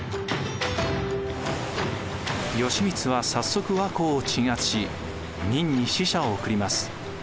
義満は早速倭寇を鎮圧し明に使者を送ります。